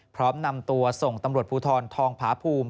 พร้อมนำตัวส่งตำรวจภูทรทองผาภูมิ